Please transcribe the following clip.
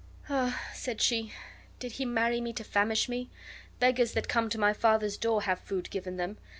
"Ah," said she, "did he marry me to famish me? Beggars that come to my father's door have food given them.